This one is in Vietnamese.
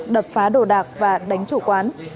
đập phá đồ đạc và đánh chủ quán